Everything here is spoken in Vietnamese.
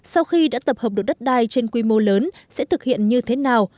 sau khi đã tập hợp được đất đai trên quy mô lớn sẽ thực hiện như thế nào